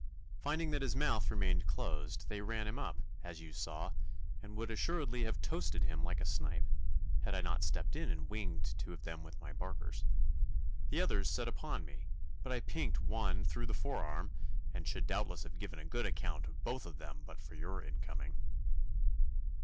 Finding that his mouth remained closed, they ran him up, as you saw, and would assuredly have toasted him like a snipe, had I not stepped in and winged two of them with my barkers. The others set upon me, but I pinked one through the forearm, and should doubtless have given a good account of both of them but for your incoming.